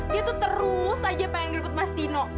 dia tuh terus aja pengen diribut mas dino